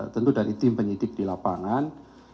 tentu dari tim penyidik di lapangan